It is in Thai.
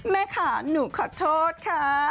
แม่ค่ะหนูขอโทษค่ะ